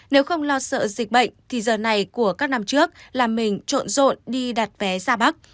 nếu không lo sợ dịch bệnh thì giờ này của các năm trước là mình trộn rộn đi đặt vé ra bắc